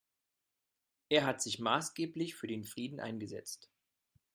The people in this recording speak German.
Er hat sich maßgeblich für den Frieden eingesetzt.